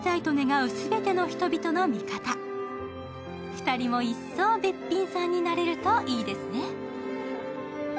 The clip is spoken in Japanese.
２人も一層べっぴんさんになれるといいですね。